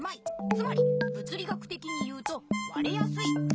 つまりぶつ理学てきに言うとわれやすい。